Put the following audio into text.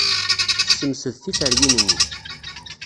Tessemsed tiferyin-nni.